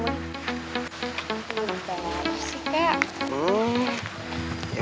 gila berapa lama sih kak